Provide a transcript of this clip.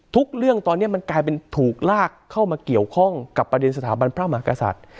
เรื่องตอนนี้มันกลายเป็นถูกลากเข้ามาเกี่ยวข้องกับประเด็นสถาบันพระมหากษัตริย์